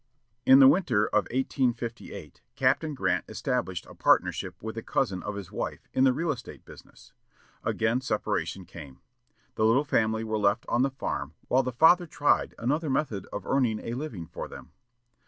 In the winter of 1858 Captain Grant established a partnership with a cousin of his wife in the real estate business. Again separation came. The little family were left on the farm while the father tried another method of earning a living for them.